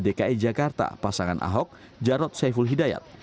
dki jakarta pasangan ahok jarod saiful hidayat